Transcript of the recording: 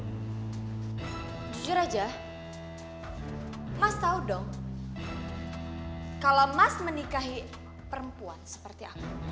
jujur aja mas tahu dong kalau mas menikahi perempuan seperti aku